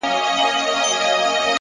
د ارادې دوام ناممکن ممکن کوي!.